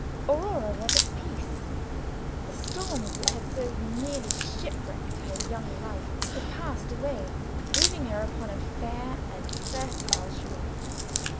Aurora was at peace. The storms that had so nearly shipwrecked her young life had passed away, leaving her upon a fair and fertile shore.